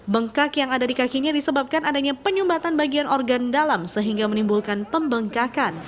bengkak yang ada di kakinya disebabkan adanya penyumbatan bagian organ dalam sehingga menimbulkan pembengkakan